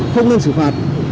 không nên xử phạt